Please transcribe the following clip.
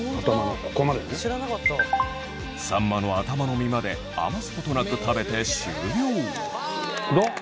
さんまの頭の身まで余すことなく食べて終了。